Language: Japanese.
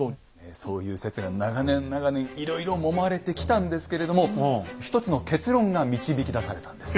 そういう説が長年長年いろいろもまれてきたんですけれども一つの結論が導き出されたんです。